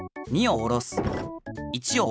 １をおろす。